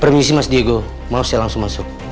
permisi mas diego mau saya langsung masuk